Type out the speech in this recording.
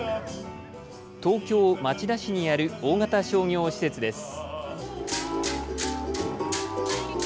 東京町田市にある大型商業施設です。